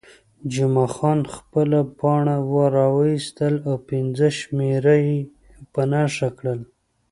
جمعه خان خپله پاڼه راویستل او پنځمه شمېره یې په نښه کړل.